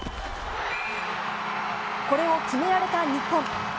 これを決められた日本。